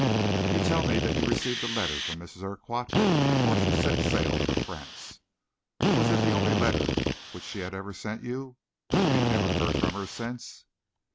"You tell me that you received a letter from Mrs. Urquhart before she set sail for France. Was it the only letter which she has ever sent you? Have you never heard from her since?"